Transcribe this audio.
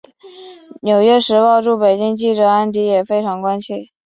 纽约时报驻北京记者安迪也非常关切。